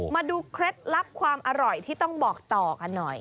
เคล็ดลับความอร่อยที่ต้องบอกต่อกันหน่อย